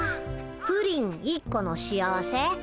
プリン１個の幸せ？